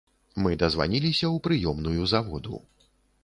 Мы дазваніліся ў прыёмную заводу.